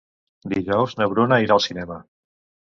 Dijous na Bruna irà al cinema.